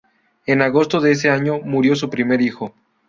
En agosto de ese año murió su primer hijo.